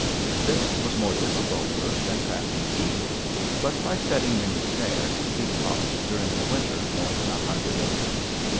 This was more difficult work than trapping eagles, but by setting many snares he caught during the winter more than a hundred of them.